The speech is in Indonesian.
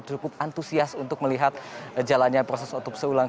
cukup antusias untuk melihat jalannya proses otopsi ulang